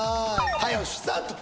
早押しスタート